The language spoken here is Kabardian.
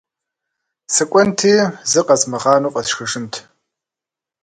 Сыкӏуэнти зы къэзмыгъанэу фӏэсшхыжынт.